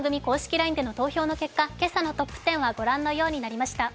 ＬＩＮＥで投票の結果、今朝のトップ１０はご覧のようになりました。